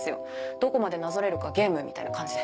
どこまでなぞれるかゲームみたいな感じで。